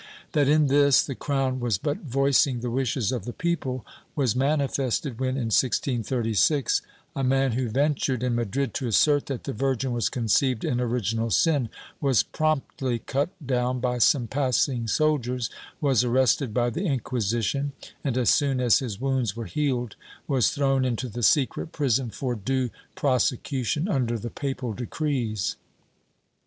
^ That in this the crown was but voicing the wishes of the people was manifested when, in 1636, a man who ventured, in Madrid, to assert that the Virgin was conceived in original sin, was promptly cut down by some passing soldiers, was arrested by the Inquisition, and as soon as his wounds were healed, was thrown into the secret prison for due prosecution under the papal decrees.'